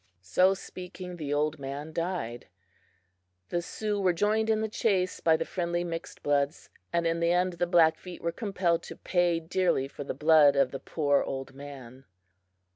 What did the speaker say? So speaking, the old man died. The Sioux were joined in the chase by the friendly mixedbloods, and in the end the Blackfeet were compelled to pay dearly for the blood of the poor old man.